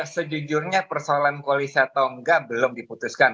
sejujurnya persoalan koalisi atau enggak belum diputuskan